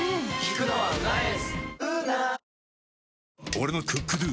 俺の「ＣｏｏｋＤｏ」！